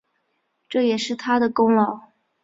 这也是他的功劳